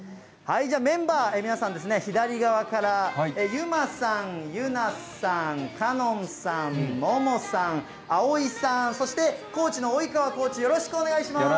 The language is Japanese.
メンバー、皆さんですね、左側から、ゆまさん、ゆなさん、かのんさん、ももさん、あおいさん、そしてコーチのおいかわコーチ、よろしくお願いします。